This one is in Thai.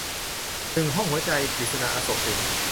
หนึ่งห้องหัวใจ - กฤษณา อโศกสิน